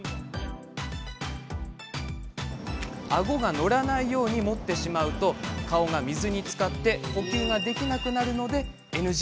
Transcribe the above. あごが乗らないように持ってしまうと顔が水につかって呼吸ができなくなるのでＮＧ。